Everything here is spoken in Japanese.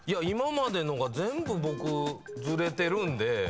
今までのが全部僕ずれてるんで。